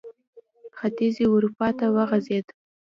ختیځې اروپا ته وغځېد.